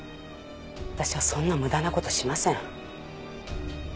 私はそんな無駄な事しません。